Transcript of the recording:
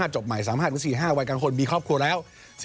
จบใหม่๓๕๔๕วันกลางคนมีครอบครัวแล้ว